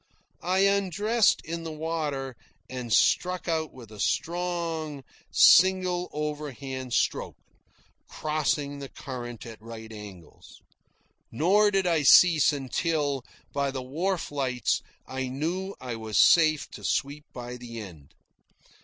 I undressed in the water and struck out with a strong, single overhand stroke, crossing the current at right angles. Nor did I cease until, by the wharf lights, I knew I was safe to sweep by the end.